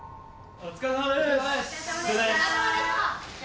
お疲れさまです。